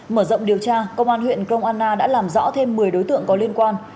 mở rộng điều tra công an huyện krong anna đã làm rõ thêm một mươi đối tượng có liên quan